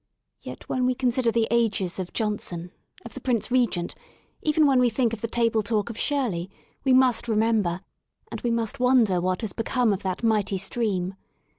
Yet when we consider the ages of Johnson, of the Prince Regent, even when we think of the Table Talk of Shirley, we must remember — and we must wonder what has become of that mighty stream.